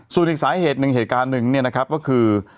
ส่วนอีกสาเหตุหนึ่งเหตุการณ์หนึ่งเนี่ยนะครับก็คือ